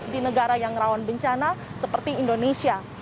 di negara yang rawan bencana seperti indonesia